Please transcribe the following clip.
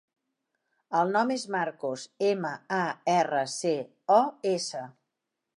El nom és Marcos: ema, a, erra, ce, o, essa.